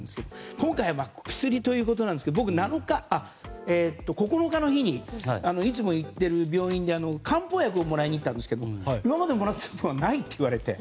今回は薬ということで僕、９日の日にいつも行っている病院で漢方薬をもらいに行ったんですけど今までもらっていたものがないって言われて。